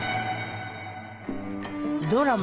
ドラマ